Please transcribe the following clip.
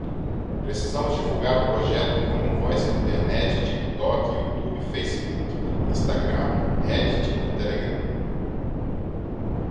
Precisamos divulgar o projeto commonvoice na internet, tiktok, youtube, facebook, instagram, reddit, telegram